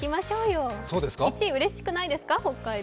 １位うれしくないですか、北海道？